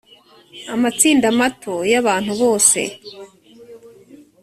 amatsinda mato y abantu bose